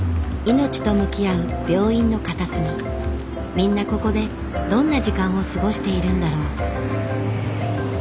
みんなここでどんな時間を過ごしているんだろう？